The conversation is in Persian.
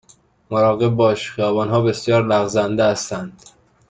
مراقب باش، خیابان ها بسیار لغزنده هستند.